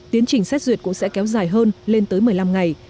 tiến trình xét duyệt cũng sẽ kéo dài hơn lên tới một mươi năm ngày